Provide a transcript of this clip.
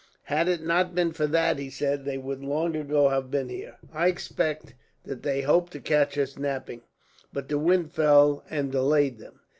"Had it not been for that," he said, "they would long ago have been here. I expect that they hoped to catch us napping, but the wind fell and delayed them.